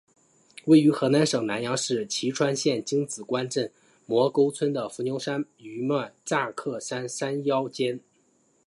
位于河南省南阳市淅川县荆紫关镇磨沟村的伏牛山余脉乍客山山腰间。